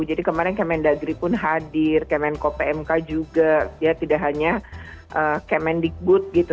jadi kemarin kemendagri pun hadir kemenko pmk juga ya tidak hanya kemendikbud gitu